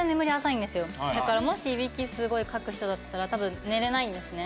だからもしイビキすごいかく人だったら多分寝れないんですね。